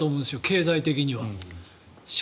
経済的には。